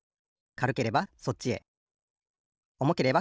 かるければそっち。